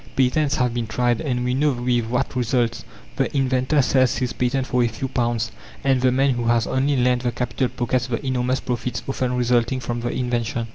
Patents have been tried, and we know with what results. The inventor sells his patent for a few pounds, and the man who has only lent the capital pockets the enormous profits often resulting from the invention.